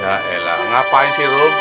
ya elah ngapain sih rum